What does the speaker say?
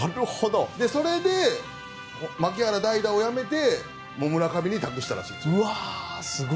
それで、牧原の代打をやめて村上に託したらしいです。